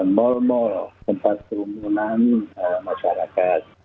mall mall tempat perumunan masyarakat